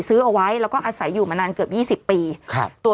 ซื้อเอาไว้แล้วก็อาศัยอยู่มานานเกือบยี่สิบปีครับตัว